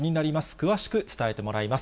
詳しく伝えてもらいます。